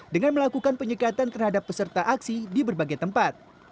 dengan melakukan penyekatan terhadap peserta aksi di berbagai tempat